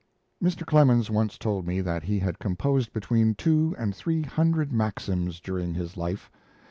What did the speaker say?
Mr. Clemens once told me that he had composed between two and three hundred maxims during his life.